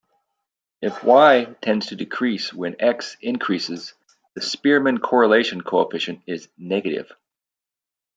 If "Y" tends to decrease when "X" increases, the Spearman correlation coefficient is negative.